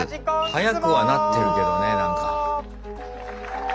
速くはなってるけどね。